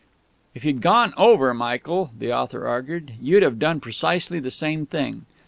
"If you'd gone over, Michael," that author argued, "you'd have done precisely the same thing.